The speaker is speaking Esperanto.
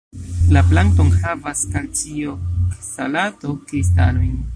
La planto enhavas kalcioksalato-kristalojn.